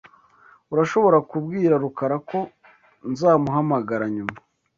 Urashobora kubwira Rukara ko nzamuhamagara nyuma?